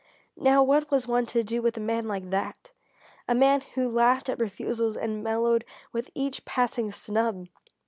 Now what was one to do with a man like that? A man who laughed at refusals and mellowed with each passing snub!